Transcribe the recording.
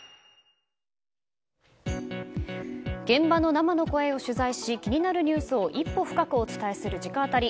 現場の生の声を取材し気になるニュースを一歩深くお伝えする直アタリ。